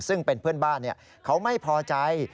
ซึ่งเป็นเพื่อนบ้านเขาไม่พอใจ